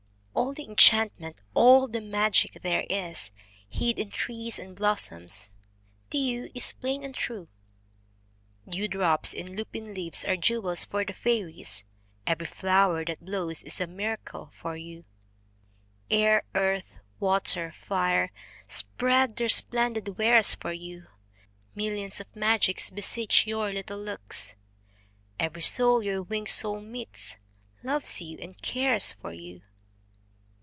All the enchantment, all the magic there is Hid in trees and blossoms, to you is plain and true. Dewdrops in lupin leaves are jewels for the fairies; Every flower that blows is a miracle for you. Air, earth, water, fire, spread their splendid wares for you. Millions of magics beseech your little looks; Every soul your winged soul meets, loves you and cares for you.